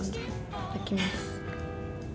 いただきます。